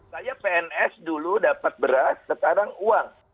saya pns dulu dapat beras sekarang uang